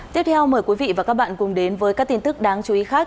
tiếp theo mời quý vị và các bạn cùng đến với các tin tức đáng chú ý khác